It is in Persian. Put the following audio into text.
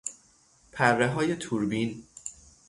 پرههای توربین